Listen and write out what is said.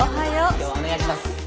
今日はお願いします。